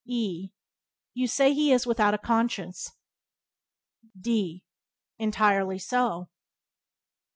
E You say he is without a conscience. D Entirely so.